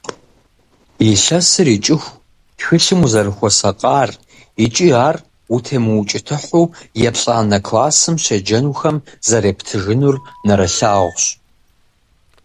Илъэсыр икӀыху тхылъым узэрыхуэсакъар икӀи ар утемыукӀытыхьу еплӀанэ классым щеджэнухэм зэрептыжынур нэрылъагъущ.